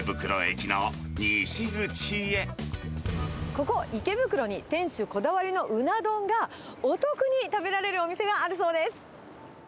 ここ、池袋に店主こだわりのうな丼が、お得に食べられるお店があるそうです。